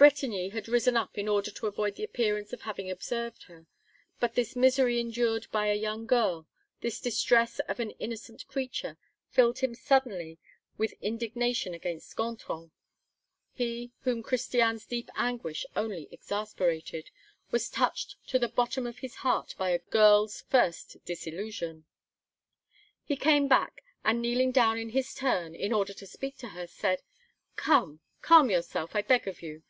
Bretigny had risen up in order to avoid the appearance of having observed her, but this misery endured by a young girl, this distress of an innocent creature, filled him suddenly with indignation against Gontran. He, whom Christiane's deep anguish only exasperated, was touched to the bottom of his heart by a girl's first disillusion. He came back, and kneeling down in his turn, in order to speak to her, said: "Come, calm yourself, I beg of you.